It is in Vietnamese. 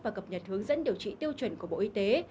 và cập nhật hướng dẫn điều trị tiêu chuẩn của bộ y tế